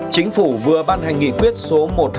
chính phủ vừa ban hành nghị quyết số một trăm hai mươi